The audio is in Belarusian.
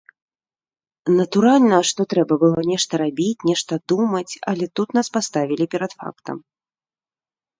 Натуральна, што трэба было нешта рабіць, нешта думаць, але тут нас паставілі перад фактам.